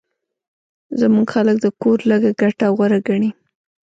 زموږ خلک د کور لږه ګټه غوره ګڼي